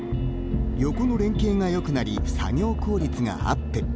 横の連携が良くなり作業効率がアップ。